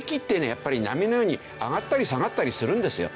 やっぱり波のように上がったり下がったりするんですよ。